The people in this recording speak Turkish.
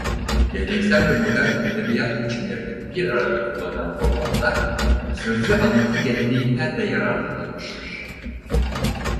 Geleneksel ve modern edebiyat biçimlerini bir arada kullanan romanda sözlü anlatı geleneğinden de yararlanılmıştır.